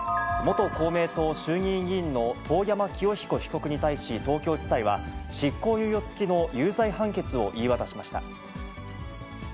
元公明党衆議院議員の遠山清彦被告に対し、東京地裁は、執行猶予付きの有罪判決を言い渡しました。